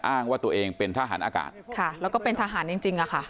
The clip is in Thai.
อ้างว่าตัวเองเป็นทหารอากาศค่ะแล้วก็เป็นทหารจริงจริงอะค่ะ